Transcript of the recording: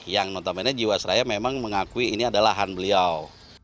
yang notamennya jiwasraya memang mengakui ini adalah lahan beliau